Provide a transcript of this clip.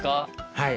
はい。